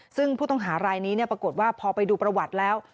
ซึ่งผู้ต้องหารายนี้ปรากฏว่าพอไปดูประวัติแล้ว